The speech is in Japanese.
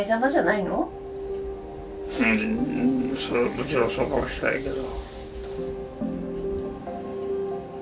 もちろんそうかもしれないけど。